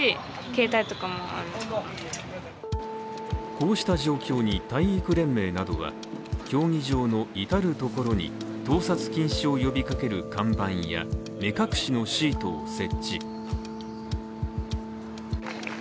こうした状況に体育連盟などは競技場の至る所に盗撮禁止を呼びかける看板や目隠しのシートを設置。